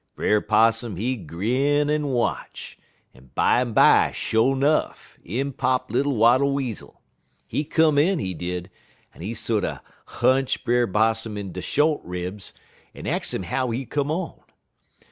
"Brer Possum, he grin en watch, and bimeby, sho' 'nuff, in pop little Wattle Weasel. He come in, he did, en he sorter hunch Brer Possum in de short ribs, en ax 'im how he come on.